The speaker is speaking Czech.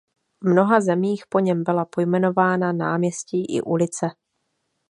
V mnoha zemích po něm byla pojmenována náměstí i ulice.